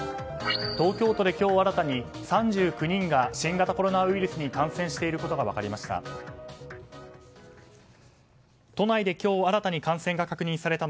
東京都で今日新たに３９人が新型コロナウイルスに感染していることが分かりました。